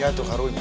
iya tuh karunya